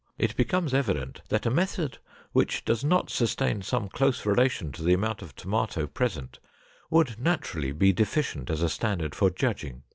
It becomes evident that a method which does not sustain some close relation to the amount of tomato present would naturally be deficient as a standard for judging.